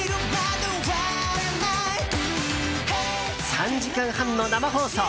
３時間半の生放送！